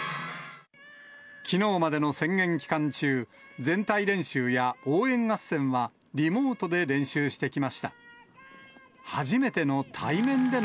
きのうまでの宣言期間中、全体練習や応援合戦は、リモートで練習してきました。